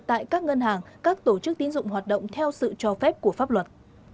tại các ngân hàng các tổ chức tín dụng hoạt động theo sự cho phép của pháp luật